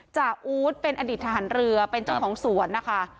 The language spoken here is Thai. อู๊ดเป็นอดีตทหารเรือเป็นเจ้าของสวนนะคะ